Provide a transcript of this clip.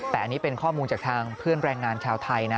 แต่อันนี้เป็นข้อมูลจากทางเพื่อนแรงงานชาวไทยนะ